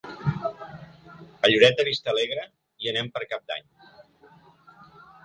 A Lloret de Vistalegre hi anem per Cap d'Any.